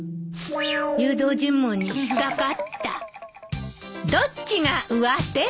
誘導尋問に引っ掛かった。